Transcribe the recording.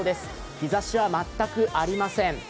日ざしは全くありません。